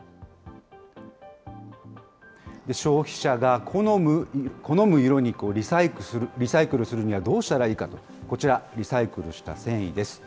消費者が好む色にリサイクルするには、どうしたらいいかと、こちら、リサイクルした繊維です。